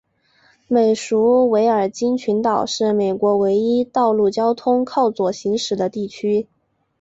美属维尔京群岛是美国唯一道路交通靠左行驶的地区。